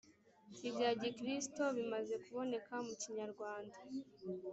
ibya gikristo bimaze kuboneka mu kinyarwanda